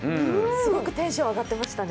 すごくテンション上がってましたね。